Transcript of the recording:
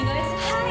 はい。